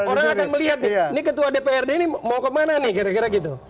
orang akan melihat nih ini ketua dprd mau ke mana nih kira kira gitu